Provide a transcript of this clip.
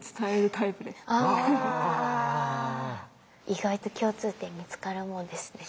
意外と共通点見つかるもんですね。